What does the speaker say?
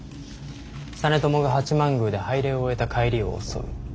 実朝が八幡宮で拝礼を終えた帰りを襲う。